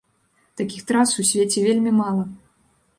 Такіх трас у свеце вельмі мала.